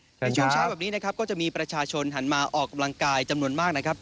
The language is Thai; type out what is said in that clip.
ในช่วงเช้าแบบนี้นะครับก็จะมีประชาชนหันมาออกกำลังกายจำนวนมากนะครับ